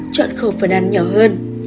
tám chọn khẩu phần ăn nhỏ hơn